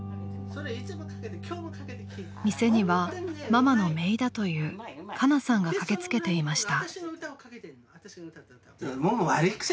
［店にはママのめいだというカナさんが駆け付けていました］